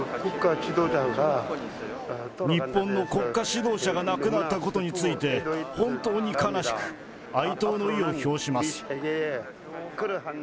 日本の国家指導者が亡くなったことについて、本当に悲しく、哀悼の意を表します。